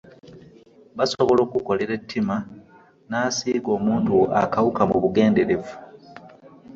Basobola okukukolera ettima n'asiiga omuntu wo akawuka mu bugenderevu